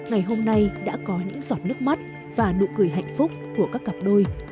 ngày hôm nay đã có những giọt nước mắt và nụ cười hạnh phúc của các cặp đôi